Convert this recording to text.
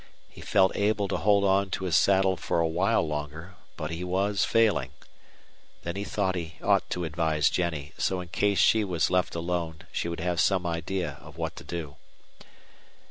He felt able to hold on to his saddle for a while longer, but he was failing. Then he thought he ought to advise Jennie, so in case she was left alone she would have some idea of what to do.